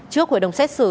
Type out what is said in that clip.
trước hội đồng xét xử